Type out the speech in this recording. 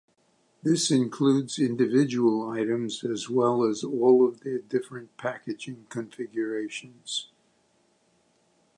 This includes individual items as well as all of their different packaging configurations.